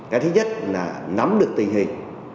cái thứ nhất là nắm được tình hình